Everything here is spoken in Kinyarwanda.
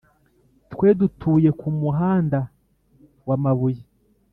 twe dutuye kumuhanda wa mabuye